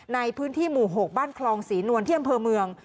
ในพื้นที่หมู่๖บ้านคลองศรีนวลที่อำเภอเมือง